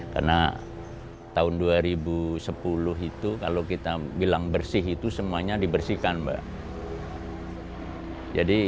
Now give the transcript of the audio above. karena tahun dua ribu sepuluh itu kalau kita bilang bersih itu semuanya dibersihkan mbak